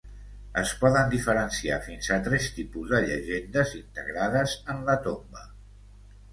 Es poden diferenciar fins a tres tipus de llegendes integrades en la tomba.